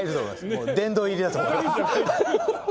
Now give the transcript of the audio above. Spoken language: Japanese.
もう殿堂入りだと思います。